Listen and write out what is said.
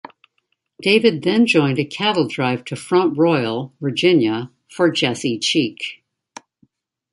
David then joined a cattle drive to Front Royal, Virginia for Jesse Cheek.